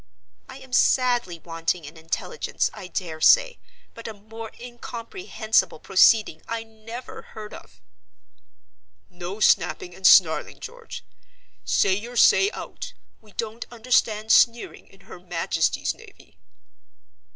I am sadly wanting in intelligence, I dare say, but a more incomprehensible proceeding I never heard of!" "No snapping and snarling, George! Say your say out. We don't understand sneering in Her Majesty's Navy!"